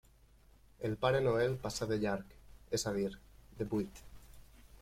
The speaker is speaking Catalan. El Pare Noel passà de llarg, és a dir, de buit.